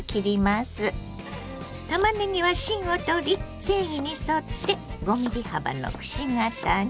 たまねぎは芯を取り繊維に沿って５ｍｍ幅のくし形に。